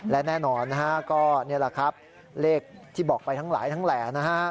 และแน่นอนนะครับเลขที่บอกไปทั้งหลายและ